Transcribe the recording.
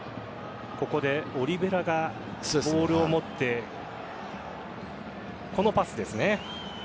ここでオリヴェラがボールを持ってこのパスですね。